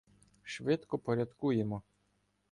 Швидко порядкуємо.